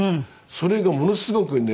それがものすごくね